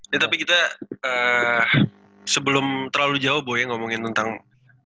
ya tapi kita sebelum terlalu jauh boleh ngomongin tentang karir basket ini